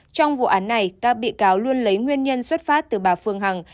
trong vụ án này các bị cáo luôn lấy nguyên nhân xuất phát từ bà phương hằng